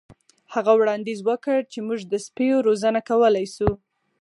هغه وړاندیز وکړ چې موږ د سپیو روزنه کولی شو